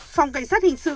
phòng cảnh sát hình sự